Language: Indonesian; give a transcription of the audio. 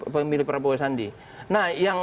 pemilih prabowo sandi nah yang